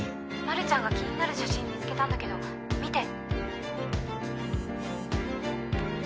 丸ちゃんが気になる写真見つけたんだけど見て。